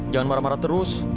jangan marah marah terus